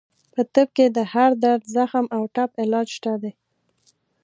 په طب کې د هر درد، زخم او ټپ علاج شته دی.